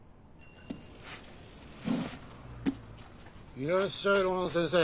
いらっしゃい露伴先生。